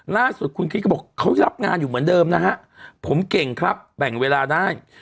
ล่าสุดคุณคิดก็บอกเขารับงานอยู่เหมือนเดิมนะฮะผมเก่งครับแบ่งเวลาได้